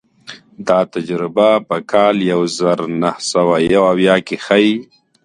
دا تجربه په کال یو زر نهه سوه یو اویا کې ښيي.